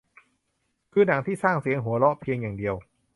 คือหนังที่สร้างเสียงหัวเราะเพียงอย่างเดียว